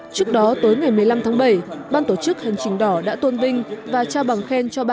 trước đó tối ngày một mươi năm tháng bảy ban tổ chức hành trình đỏ đã tuân vinh và trao bằng khen cho ba mươi ba tập thể